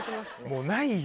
もうないよ。